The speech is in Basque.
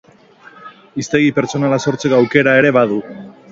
Hiztegi pertsonala sortzeko aukera ere badu.